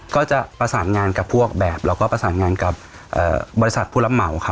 ก็จะประสานงานกับพวกแบบแล้วก็ประสานงานกับบริษัทผู้รับเหมาค่ะ